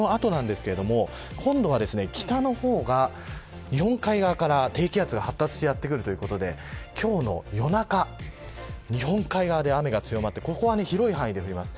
今度は北の方が日本海側から低気圧が発達してやってくるということで今日の夜中は日本海側で雨が強まってこちらは広い範囲で降ります。